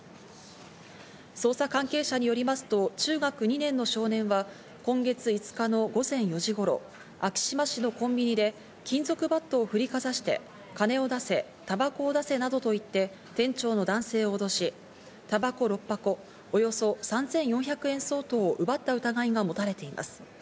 捜査関係者によりますと中学２年の少年は今月５日の午前４時頃、昭島市のコンビニで金属バットを振りかざして金を出せ、たばこを出せなどと言って、店長の男性を脅し、たばこ６箱、およそ３４００円相当を奪った疑いがもたれています。